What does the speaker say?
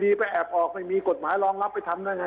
มีไปแอบออกไม่มีกฎหมายรองรับไปทำได้ไง